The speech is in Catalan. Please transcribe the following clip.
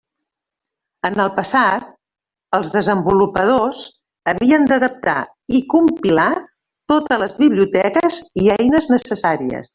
En el passat, els desenvolupadors havien d'adaptar i compilar totes les biblioteques i eines necessàries.